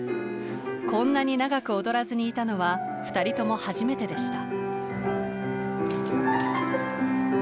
こんなに長く踊らずにいたのは二人とも初めてでした。